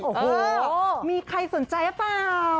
โอ้โหมีใครสนใจหรือเปล่า